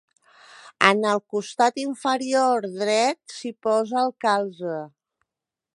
En el costat inferior dret s'hi posa el calze.